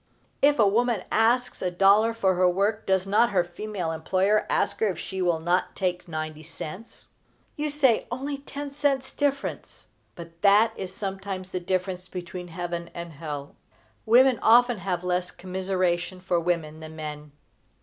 If a woman asks a dollar for her work, does not her female employer ask her if she will not take ninety cents? You say "only ten cents difference;" but that is sometimes the difference between heaven and hell. Women often have less commiseration for women than men.